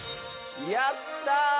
やったー。